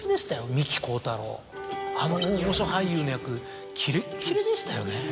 あの大御所俳優の役キレッキレでしたよね。